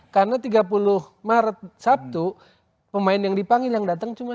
karena tiga puluh maret sabtu pemain yang dipanggil yang datang cuma sembilan